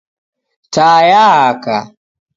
Taa yaaka.